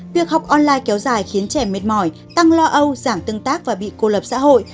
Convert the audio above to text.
việc học online kéo dài khiến trẻ mệt mỏi tăng lo âu giảm tương tác và bị cô lập xã hội